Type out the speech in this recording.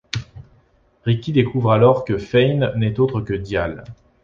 Ricky découvre alors que Fane n'est autre que Dial.